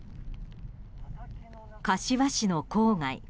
柏市の郊外。